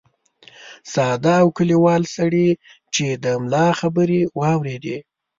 ساده او کلیوال سړي چې د ملا خبرې واورېدې.